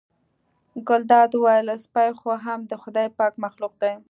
ګلداد وویل سپی خو هم د خدای پاک مخلوق دی.